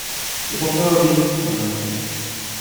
C'est pour toi, Ovide, murmurait-elle.